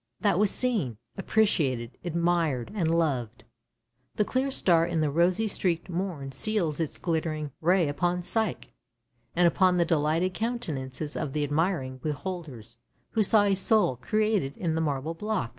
That was seen, appreciated, admired, and loved. The clear star in the rosy streaked morn seals its glittering ray upon Psyche, and upon the delighted countenances of the admiring beholders, who saw a Soul created in the marble block.